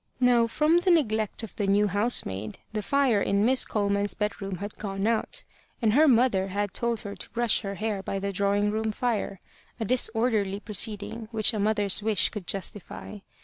Now, from the neglect of the new housemaid, the fire in Miss Coleman's bedroom had gone out, and her mother had told her to brush her hair by the drawing room fire a disorderly proceeding which a mother's wish could justify.